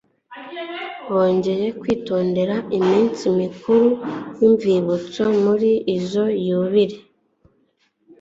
bongeye kwitondera iminsi mikuru y'umvibutso. Muri izo yubile,